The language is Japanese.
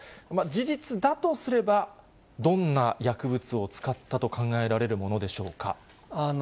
事実だとすれば、どんな薬物を使ったと考えられるものでしょうか。